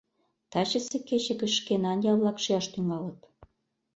— Тачысе кече гыч шкенан ял-влак шияш тӱҥалыт.